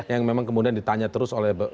yang memang kemudian ditanya terus oleh